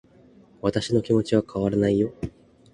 私の気持ちは変わらないよ